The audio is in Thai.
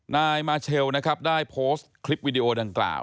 นายมาเชลนะครับได้โพสต์คลิปวิดีโอดังกล่าว